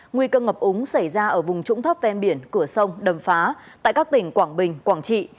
nguy cơ ngập úng xảy ra ở vùng trũng thấp ven biển cửa sông đầm phá tại các tỉnh quảng bình quảng trị